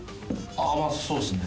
まあそうですね。